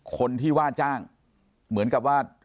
คนที่ว่าจ้างเหมือนกับว่า